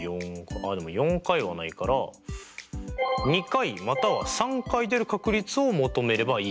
あっでも４回はないから２回または３回出る確率を求めればいい？